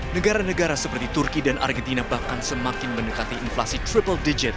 negara negara seperti turki dan argentina bahkan semakin mendekati inflasi cryple digit